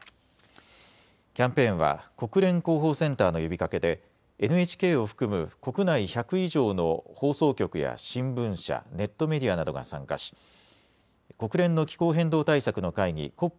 キャンペーンは国連広報センターの呼びかけでＮＨＫを含む国内１００以上の放送局や新聞社、ネットメディアなどが参加し国連の気候変動対策の会議